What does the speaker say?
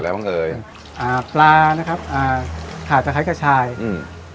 แล้วบ้างเลยอ่าปลานะครับอ่าขาดจะใช้กระชายอืม